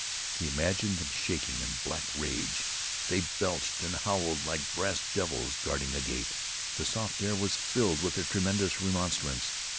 He imagined them shaking in black rage. They belched and howled like brass devils guarding a gate. The soft air was filled with the tremendous remonstrance.